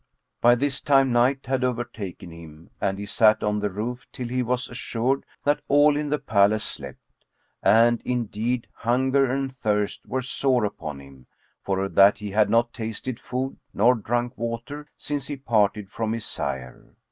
By this time night had overtaken him and he sat on the roof till he was assured that all in the palace slept; and indeed hunger and thirst were sore upon him, for that he had not tasted food nor drunk water since he parted from his sire.